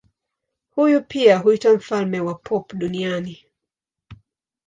Huyu pia huitwa mfalme wa pop duniani.